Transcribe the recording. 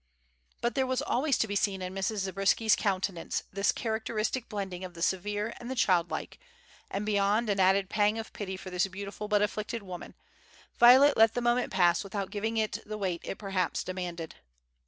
But there was always to be seen in Mrs. Zabriskie's countenance this characteristic blending of the severe and the childlike, and beyond an added pang of pity for this beautiful but afflicted woman, Violet let the moment pass without giving it the weight it perhaps demanded.